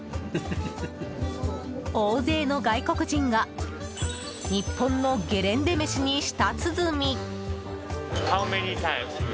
大勢の外国人が日本のゲレンデ飯に舌鼓。